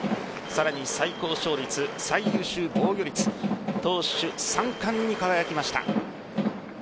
さらに最高勝率、最優秀防御率投手三冠に輝きました。